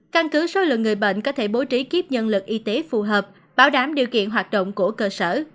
căn cứ số lượng người bệnh có thể bố trí kiếp nhân lực y tế phù hợp bảo đảm điều kiện hoạt động của cơ sở